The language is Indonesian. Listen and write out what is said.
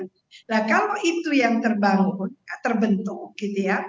nah kalau itu yang terbangun terbentuk gitu ya